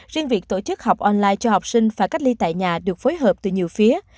riêng việc tổ chức học online cho học sinh phải cách ly tại nhà được phối hợp từ nhiều phía